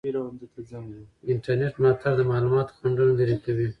د انټرنیټ ملاتړ د معلوماتو خنډونه لرې کوي.